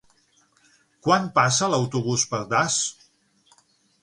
Quan passa l'autobús per Das?